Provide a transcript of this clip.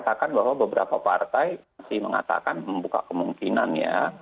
saya katakan bahwa beberapa partai masih mengatakan membuka kemungkinan ya